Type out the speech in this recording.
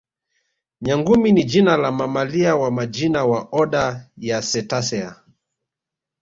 Nyangumi ni jina la mamalia wa majini wa oda ya Cetacea